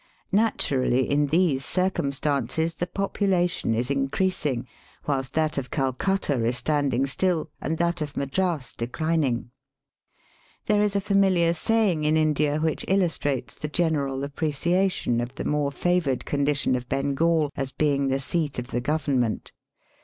Naturally in these circumstances the population is increasing, whilst that of Calcutta is standing still and that of Madras declining. There is a famihar saying in India which illustrates the general appreciation of the more favoured condition of Bengal as being the seat of the Government.